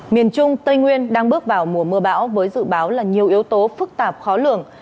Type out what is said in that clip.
miền trung tây nguyên đang bước vào mùa mưa bão với dự báo là nhiều yếu tố phức tạp khó lường